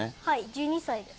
１２歳です。